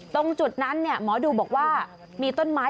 ตรงจุดนั้นหมอดูบอกว่ามีต้นไม้